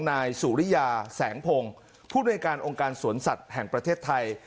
นายสุริยาแสงพงศ์ผู้บริการองค์การสวนสัตว์แห่งประเทศไทย